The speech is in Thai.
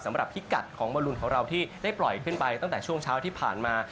พิกัดของบอลลูนของเราที่ได้ปล่อยขึ้นไปตั้งแต่ช่วงเช้าที่ผ่านมา